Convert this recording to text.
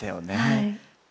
はい。